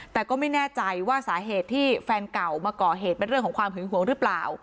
แต่ก็ไม่แน่ใจว่าสาเหตุที่แฟนเก่ามาก่อเหตุเป็นเรื่องของความหึงหวงหรือเปล่า